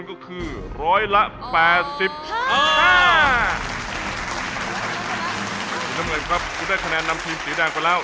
คุณน้ำเงินครับคุณได้คะแนนนำทีมสีแดงไปแล้ว